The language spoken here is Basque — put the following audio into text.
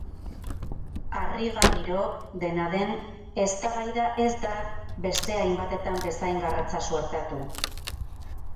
Harrigarriro, dena den, eztabaida ez da beste hainbatetan bezain garratza suertatu.